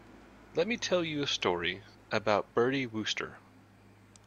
Let me tell you a story about Bertie Wooster.